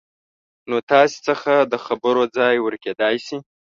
نو تاسې څخه د خبرو ځای ورکېدای شي